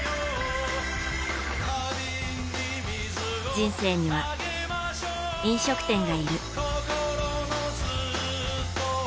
人生には、飲食店がいる。